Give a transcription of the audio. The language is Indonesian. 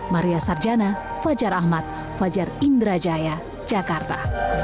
maria sarjana fajar ahmad fajar indrajaya jakarta